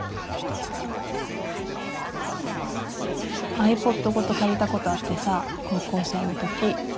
ｉＰｏｄごと借りたことあってさ高校生のとき。